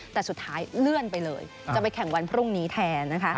แต่สุดท้ายเลื่อนไปเลยจะไปแข่งวันพรุ่งนี้แทนนะคะ